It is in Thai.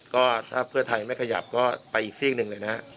ก็ถ้าเพื่อไทยไม่ขยับก็ไปอีกซีกหนึ่งเลยนะฮะ